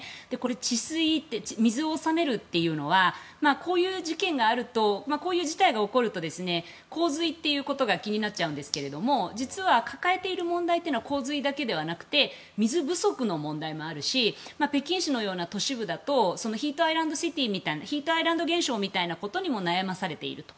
治水、水を治めるというのはこういう事件があるとこういう事態が起こると洪水っていうことが気になっちゃうんですけど実は抱えている問題は洪水だけではなく水不足の問題もあるし北京市のような都市部だとヒートアイランド現象みたいなことにも悩まされていると。